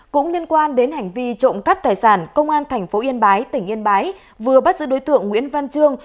cũng liên quan đến hành vi trộm cắp tài sản công an tp yên bái tỉnh yên bái vừa bắt giữ đối tượng nguyễn văn trương